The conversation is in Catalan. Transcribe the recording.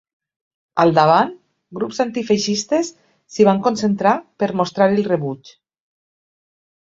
Al davant, grups antifeixistes s’hi van concentrar per mostrar-hi el rebuig.